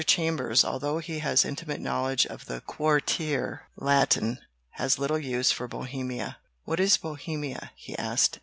Chambers, although he has intimate knowl edge of the Quartier Latin, has little use for "Bohemia." "What is Bohemia?" he asked.